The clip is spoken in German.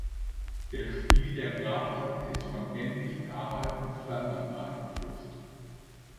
Der Stil der Grabplatte ist von ähnlichen Arbeiten in Flandern beeinflusst.